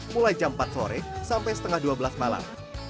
mulai jam empat sore sampai setengah dua belas malam